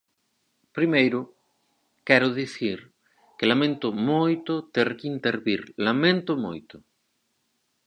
Primeiro, quero dicir que lamento moito ter que intervir, laméntoo moito.